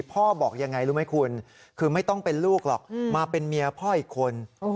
พ่อบอกยังไงรู้ไหมคุณคือไม่ต้องเป็นลูกหรอกมาเป็นเมียพ่ออีกคน